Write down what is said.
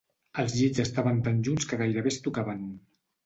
Els llits estaven tan junts que gairebé es tocaven